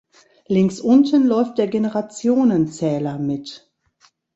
Links unten läuft der Generationen-Zähler mit.